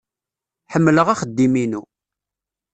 Ḥemmleɣ axeddim-inu.